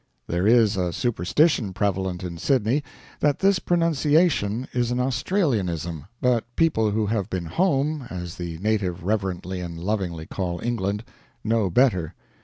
There is a superstition prevalent in Sydney that this pronunciation is an Australianism, but people who have been "home" as the native reverently and lovingly calls England know better.